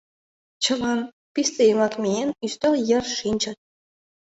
Чылан, писте йымак миен, ӱстел йыр шинчыт.